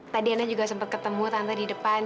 tadi ana juga sempet ketemu tante di depan